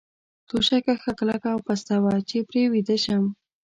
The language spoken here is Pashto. توشکه ښه کلکه او پسته وه، چې پرې ویده شم.